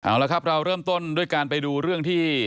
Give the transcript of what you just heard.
เอาละครับเราเริ่มต้นด้วยการไปดูเรื่องที่